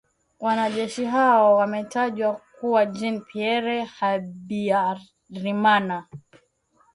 Wanajeshi hao wametajwa kuwa Jean Pierre Habyarimana